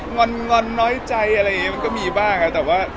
งอนน้อยใจอะไรยังไง